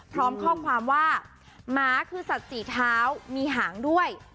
พร้อมข้อความว่าหมาคือสัตว์สี่เท้ามีหางด้วย